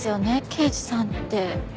刑事さんって。